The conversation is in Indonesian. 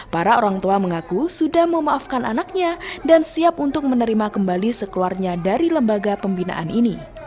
para orang tua mengaku sudah memaafkan anaknya dan siap untuk menerima kembali sekeluarnya dari lembaga pembinaan ini